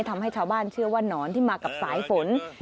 ทำให้ชาวบ้านเชื่อว่านอนที่มากับสายฝน